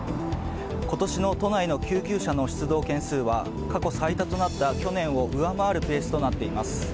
今年の都内の救急車の出動件数は過去最多となった、去年を上回るペースとなっています。